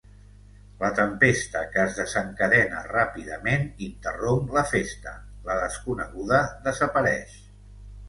La tempesta que es desencadena ràpidament interromp la festa, la desconeguda desapareix.